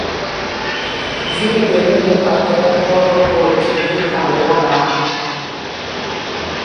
Wine tät óroko ɓa éyérne ɗi pay ama kedanga.